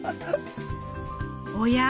⁉おや？